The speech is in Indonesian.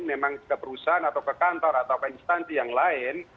memang ke perusahaan atau ke kantor atau ke instansi yang lain